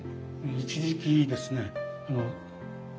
一時期ですね娘